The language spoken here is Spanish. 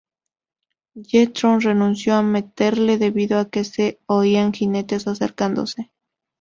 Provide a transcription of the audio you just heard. Jethro renunció a matarle debido a que se oían jinetes acercándose.